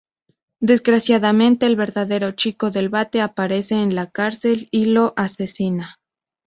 Desgraciadamente el verdadero "chico del bate" aparece en la cárcel y lo asesina.